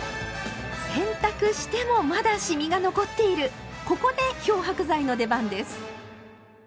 洗濯してもまだシミが残っているここで漂白剤の出番です！